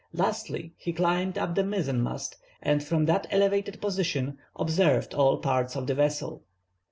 Lastly, he climbed up the mizen mast, and from that elevated position observed all parts of the vessel.